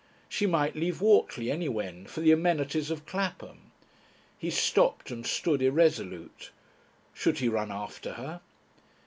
She might leave Whortley anywhen for the amenities of Clapham. He stopped and stood irresolute. Should he run after her?